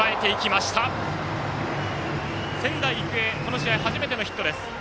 仙台育英、この試合初めてのヒットです。